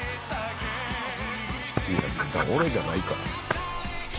俺じゃないから。